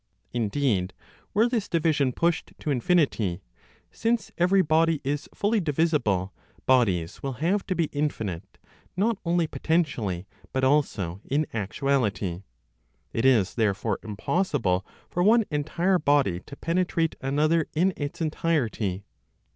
Indeed, were this division pushed to infinity, since every body is fully divisible, bodies will have to be infinite not only potentially, but also in actuality. It is therefore impossible for one entire body to penetrate another in its entirety.